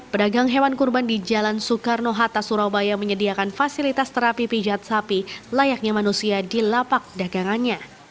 pedagang hewan kurban di jalan soekarno hatta surabaya menyediakan fasilitas terapi pijat sapi layaknya manusia di lapak dagangannya